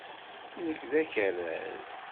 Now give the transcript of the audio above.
Nekk d akerraz.